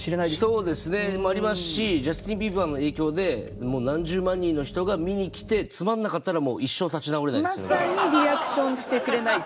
そうですね。もありますしジャスティンビーバーの影響で何十万人の人が見に来てつまんなかったらまさにリアクションしてくれない。